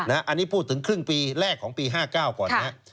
อันนี้พูดถึงครึ่งปีแรกของปี๕๙ก่อนนะครับ